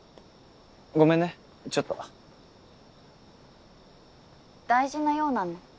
ごめんねちょっと大事な用なの？